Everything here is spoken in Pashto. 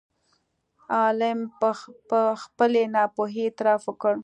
عالم په خپلې ناپوهۍ اعتراف وکړ.